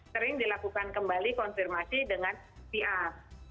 sering dilakukan kembali konfirmasi dengan pr